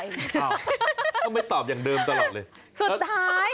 ยอมมันมันมันมันมัน